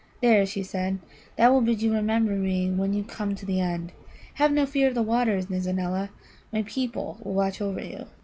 "There," she said; "that will bid you remember me when you come to the end. Have no fear of the waters, Nizza neela; my people will watch over you."